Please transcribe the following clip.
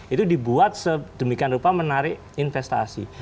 itu dibuat sedemikian rupa menarik investasi